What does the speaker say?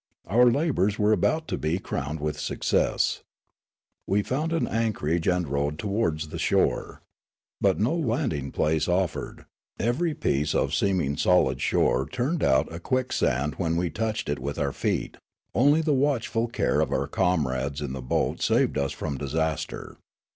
Our labours were about to be crowned with success. We found an anchorage and rowed towards the shore. But no landing place offered ; every piece of seeming solid shore turned out a quicksand when we touched it with our feet ; only the watchful care of our comrades in the boat saved us from disaster.